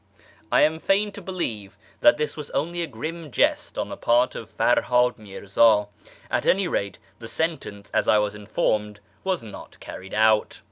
I am fain to believe that this was only a grim jest on the part of Ferhi'id Mi'rzii ; at any rate the sentence, as I was informed, was not carried out.